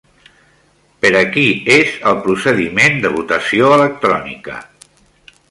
Per a qui és el procediment de votació electrònica?